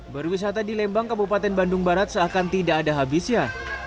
berwisata di lembang kabupaten bandung barat seakan tidak ada habisnya